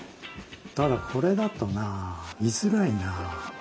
ただこれだとなあ見づらいなあ。